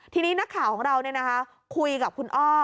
ทีนี้นักข่าวของเราเนี่ยนะคะคุยกับคุณอ้อ